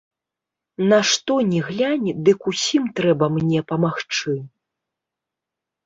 На што ні глянь, дык усім трэба мне памагчы.